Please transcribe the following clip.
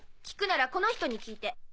聞くならこの人に聞いて。